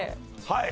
はい。